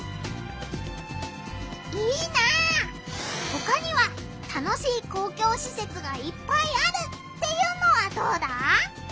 ほかには楽しい公共しせつがいっぱいあるっていうのはどうだ？